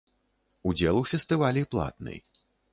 Удзел у фестывалі платны.